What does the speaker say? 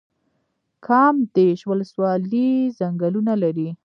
کامدیش ولسوالۍ ځنګلونه لري؟